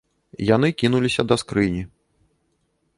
Яны кінуліся да скрыні.